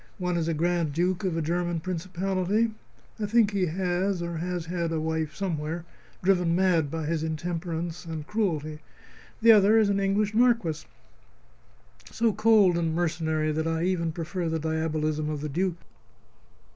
One is a Grand Duke of a German principality. I think he has, or has had, a wife, somewhere, driven mad by his intemperance and cruelty. The other is an English Marquis, so cold and mercenary that I even prefer the diabolism of the Duke.